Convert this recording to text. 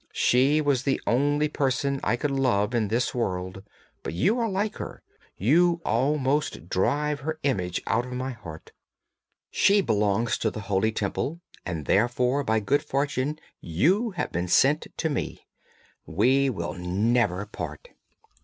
She was the only person I could love in this world, but you are like her, you almost drive her image out of my heart. She belongs to the holy Temple, and therefore by good fortune you have been sent to me; we will never part!'